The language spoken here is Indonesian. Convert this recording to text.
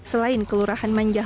selain kelurahan manjah